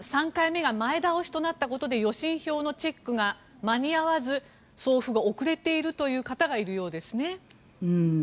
３回目が前倒しとなったことで予診票のチェックが間に合わず送付が遅れている方がいるようですね。